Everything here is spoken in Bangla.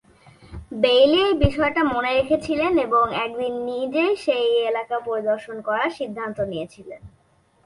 বেইলী এই বিষয়টা মনে রেখেছিলেন এবং একদিন নিজেই সেই এলাকা পরিদর্শন করার সিদ্ধান্ত নিয়েছিলেন।